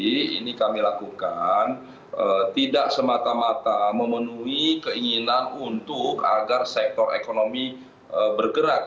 jadi ini kami lakukan tidak semata mata memenuhi keinginan untuk agar sektor ekonomi bergerak